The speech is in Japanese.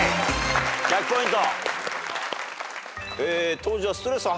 １００ポイント。